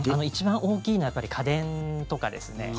一番大きいのは家電とかですね。